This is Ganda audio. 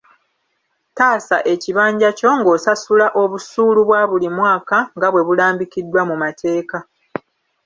Taasa ekibanja kyo ng’osasula Obusuulu bwa buli mwaka nga bwe bulambikiddwa mu mateeka.